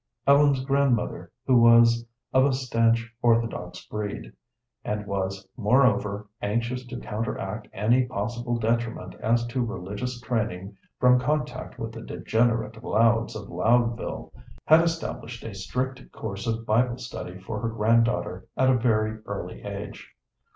Ellen's grandmother, who was of a stanch orthodox breed, and was, moreover, anxious to counteract any possible detriment as to religious training from contact with the degenerate Louds of Loudville, had established a strict course of Bible study for her granddaughter at a very early age.